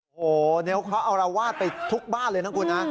โอ้โหนิ้วเขาอารวาสไปทุกบ้านเลยนะคุณนะ